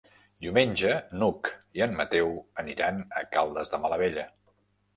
Diumenge n'Hug i en Mateu aniran a Caldes de Malavella.